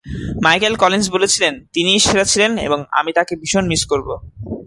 Michael Collins বলেছিলেন, "তিনিই সেরা ছিলেন এবং আমি তাকে ভীষণ মিস করব।"